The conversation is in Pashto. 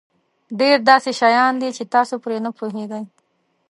ډېر داسې شیان دي چې تاسو پرې نه پوهېږئ.